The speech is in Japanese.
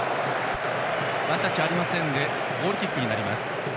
ワンタッチありませんでゴールキックになります。